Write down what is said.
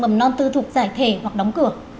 mầm non tư thục giải thể hoặc đóng cửa